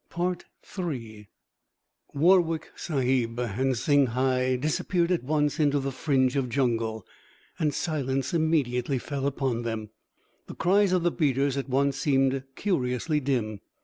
III Warwick Sahib and Singhai disappeared at once into the fringe of jungle, and silence immediately fell upon them. The cries of the beaters at once seemed curiously dim.